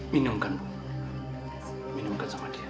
minumkan minumkan sama dia